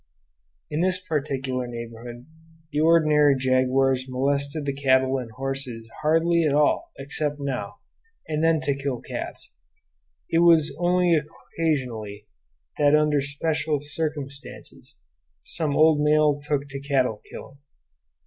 In this particular neighborhood the ordinary jaguars molested the cattle and horses hardly at all except now and then to kill calves. It was only occasionally that under special circumstances some old male took to cattle killing.